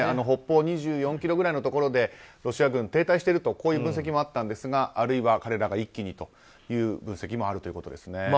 北方２４ｋｍぐらいのところでロシア軍が停滞しているという分析もあったんですがあるいは彼らが一気にという分析もあるということですね。